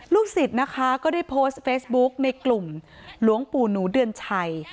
ศิษย์นะคะก็ได้โพสต์เฟซบุ๊กในกลุ่มหลวงปู่หนูเดือนชัย